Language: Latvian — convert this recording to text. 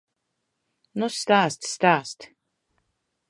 Nu stāsti, stāsti!